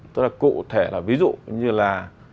tức là cụ thể là ví dụ như là